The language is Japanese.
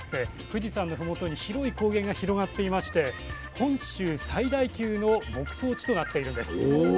富士山の麓に広い高原が広がっていまして本州最大級の牧草地となっているんです。